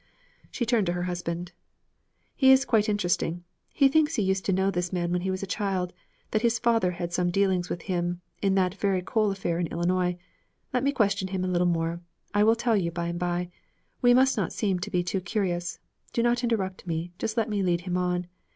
She turned to her husband. 'He is quite interesting. He thinks he used to know this man when he was a child; that his father had some dealings with him in that very coal affair in Illinois. Let me question him a little more. I will tell you by and by. We must not seem to be too curious. Do not interrupt me; just let me lead him on.